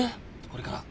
これから。